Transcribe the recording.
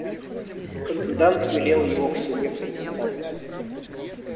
Комендант велел его к себе представить.